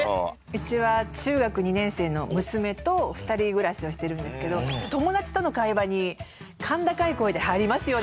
うちは中学２年生の娘と２人暮らしをしてるんですけど友達との会話に甲高い声で入りますよね。